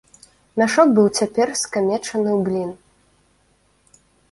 Мяшок быў цяпер скамечаны ў блін.